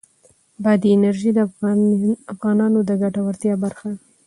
بادي انرژي د افغانانو د ګټورتیا برخه ده.